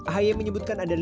ahaya menyebutkan ada lima